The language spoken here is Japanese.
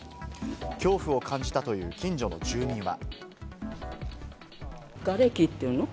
恐怖を感じたという近所の住民は。